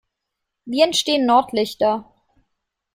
Wie entstehen Nordlichter?